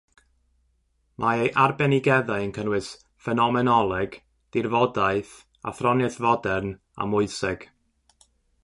Mae ei arbenigeddau yn cynnwys ffenomenoleg, dirfodaeth, athroniaeth fodern a moeseg.